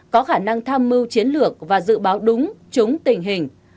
có khả năng tham mưu chiến lược và dự báo đúng trúng tình hình